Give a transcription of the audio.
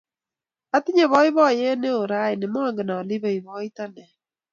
Atinye poipoiyet neo raini, mangen ale ipoipoiton ne